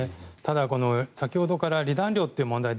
先ほどから離檀料という問題が